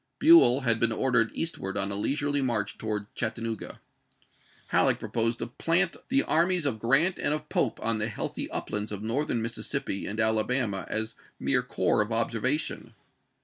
Buell had been ordered eastward on a leisurely march towards Chattanooga. Halleck proposed to plant the armies of Grant and of Pope on the healthy uplands of Northern Mississippi and Alabama as mere corps of observation.